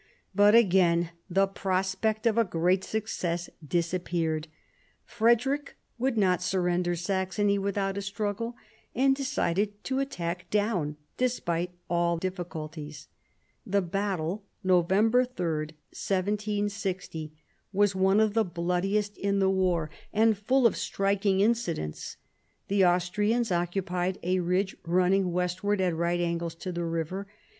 But again the prospect of a great success disappeared. Frederick would not sur render Saxony without a struggle, and decided to attack Daun, despite all difficulties. The battle (Nov. 3, 1760) was one of the bloodiest in the war, and full of striking 170 MARIA THERESA chap, viii incidents. The Austrians occupied a ridge running west ward at right angles to the river.